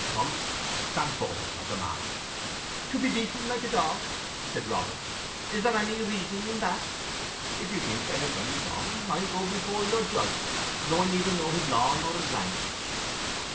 Come, stand forward like a man." "To be peaten like a dog," said Robin; "is there any reason in that? If you think I have done you wrong, I'll go before your shudge, though I neither know his law nor his language."